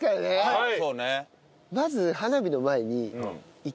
はい。